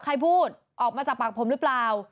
พูดออกมาจากปากผมหรือเปล่า